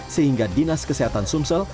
sehingga dinas kesehatan sumsel